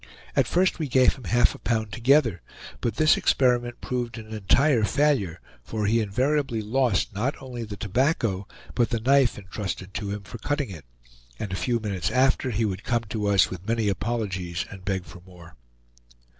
At first we gave him half a pound together, but this experiment proved an entire failure, for he invariably lost not only the tobacco, but the knife intrusted to him for cutting it, and a few minutes after he would come to us with many apologies and beg for more.